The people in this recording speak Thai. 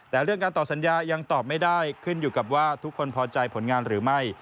แต่เรื่องการตอบสัญญายังตอบไม่ได้ขึ้นอยู่กับว่าทุกคนพอใจผลงานหรือไม่